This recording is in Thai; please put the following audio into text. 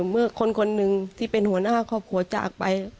เมื่อคนคนหนึ่งที่เป็นหัวหน้าครอบครัวจากไป